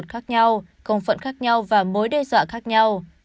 công phận khác nhau công phận khác nhau và mối đe dọa khác nhau